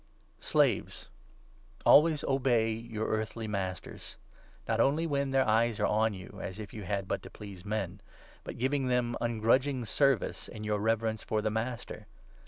Slaves, always obey your earthly masters, not only when 22 their eyes are on you, as if you had but to please men, but giving them ungrudging service, in your reverence for the Master.